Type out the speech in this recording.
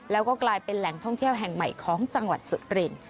แล้วก็กลายเป็นแหล่งท่องเที่ยวแห่งใหม่ของจังหวัดสุรินทร์